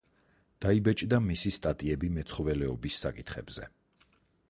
დაიბეჭდა მისი სტატიები მეცხოველეობის საკითხებზე.